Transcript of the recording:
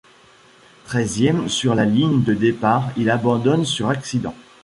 Treizième sur la ligne de départ, il abandonne sur accident.